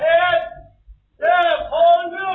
อย่างกลางคือ